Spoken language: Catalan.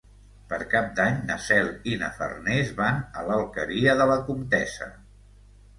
Per Cap d'Any na Cel i na Farners van a l'Alqueria de la Comtessa.